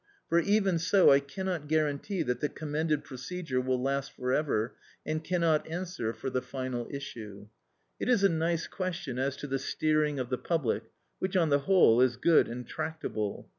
For even so I cannot guarantee that the commended procedure will last for ever, and cannot answer for the final issue. It is a nice question as to the steering of the public, which, on the whole, is good and tractable.